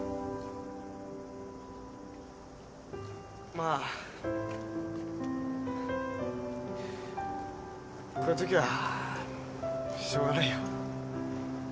まあこういうときはしょうがないよ。